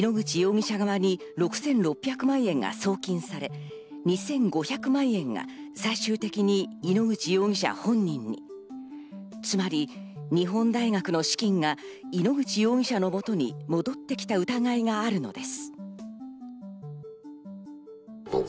その後、井ノ口容疑者側に６６００万円が送金され、２５００万円が最終的に井ノ口容疑者本人に、つまり日本大学の資金が井ノ口容疑者のもとに戻ってきた疑いがあるのです。